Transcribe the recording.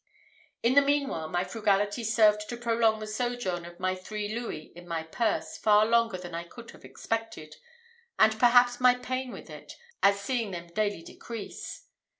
In the meanwhile, my frugality served to prolong the sojourn of my three louis in my purse far longer than I could have expected, and perhaps my pain with it, at seeing them daily decrease.